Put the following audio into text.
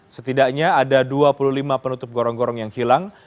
setidaknya ada dua puluh lima penutup gorong gorong yang hilang